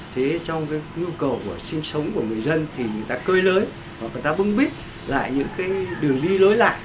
thế trong cái nhu cầu của sinh sống của người dân thì người ta cây lưới và người ta bưng bít lại những cái đường đi lối lại